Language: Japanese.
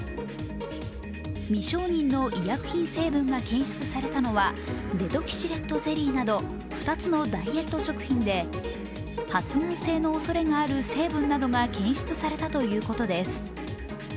未承認の医薬品成分が検出されたのはＤｅｔｏｘｅｒｅｔゼリーなど２つのダイエット食品で発がん性のおそれがある成分などが検出されたということです。